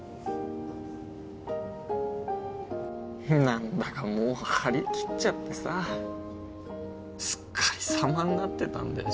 何だかもう張り切っちゃってさすっかりさまになってたんだよ